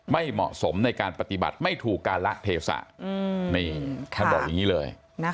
ไม่เหมาะสมในการปฏิบัติไม่ถูกการละเทศะนี่ท่านบอกอย่างนี้เลย